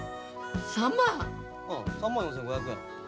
うん３万４，５００円。